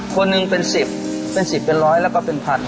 คนหนึ่งเป็น๑๐เป็น๑๐เป็นร้อยแล้วก็เป็นพัน